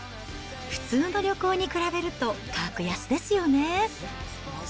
普通の旅行に比べると格安ですよね。